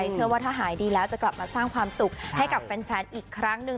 เชื่อว่าถ้าหายดีแล้วจะกลับมาสร้างความสุขให้กับแฟนอีกครั้งหนึ่ง